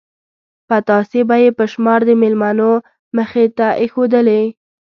پتاسې به یې په شمار د مېلمنو مخې ته ایښودلې.